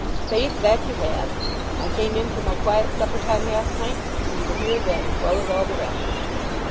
"Faith, that you have. I came in for my quiet suppertime half pint, and you were here then, as well as all the rest."